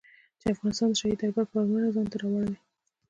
چې د افغانستان د شاهي دربار پاملرنه ځان ته را واړوي.